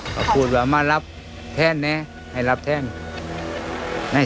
เขาพูดว่ามารับแทนนะให้รับแทน